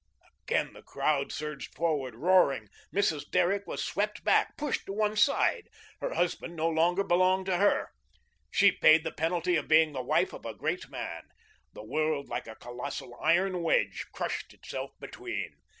Again the crowd surged forward, roaring. Mrs. Derrick was swept back, pushed to one side. Her husband no longer belonged to her. She paid the penalty for being the wife of a great man. The world, like a colossal iron wedge, crushed itself between.